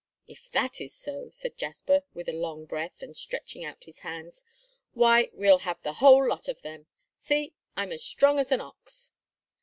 "If that is so," said Jasper, with a long breath, and stretching out his hands, "why, we'll have the whole lot of them. See, I'm as strong as an ox!"